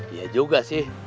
iya juga sih